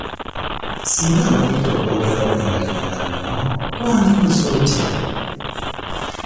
Singa bakuyita okwogerako ne balimi banno wandikoze otya?